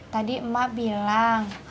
tadi emak bilang